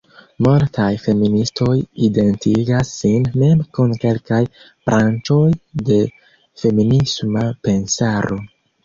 Multaj feministoj identigas sin mem kun kelkaj branĉoj de feminisma pensaro.